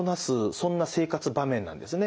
そんな生活場面なんですね。